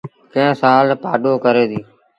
ڪݩهݩ سآل پآڏو ڪري ديٚ۔